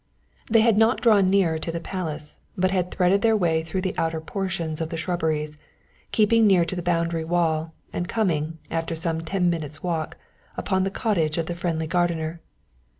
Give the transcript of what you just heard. They had not drawn nearer to the Palace, but had threaded their way through the outer portions of the shrubberies, keeping near to the boundary wall, and coming, after some ten minutes' walk, upon the cottage of the friendly gardener.